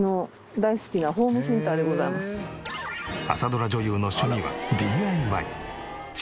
朝ドラ女優の趣味はＤＩＹ。